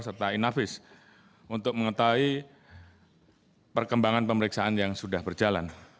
serta inavis untuk mengetahui perkembangan pemeriksaan yang sudah berjalan